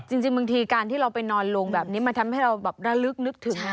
จริงบางทีการที่เราไปนอนลงแบบนี้มันทำให้เราแบบระลึกนึกถึง